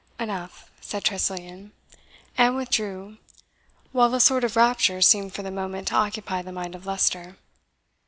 "Enough," said Tressilian, and withdrew; while a sort of rapture seemed for the moment to occupy the mind of Leicester.